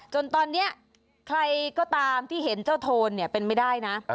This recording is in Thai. จนตอนนี้ใครก็ตามที่เห็นเจ้าโทนเนี่ยเป็นไม่ได้นะ